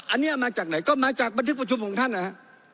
อันนี้เอามาจากไหนก็มาจากบันทึกประชุมของท่านนะฮะ